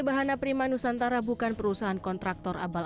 sedangkan kantor operasional kami